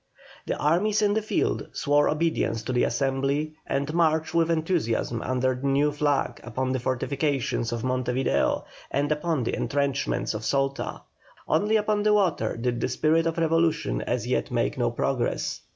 The armies in the field swore obedience to the Assembly and marched with enthusiasm under the new flag upon the fortifications of Monte Video and upon the entrenchments of Salta; only upon the water did the spirit of revolution as yet make no progress.